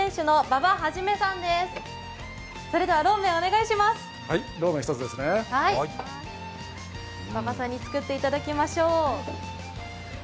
馬場さんに作っていただきましょう。